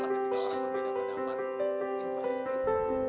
jadi mereka terus natives mertebet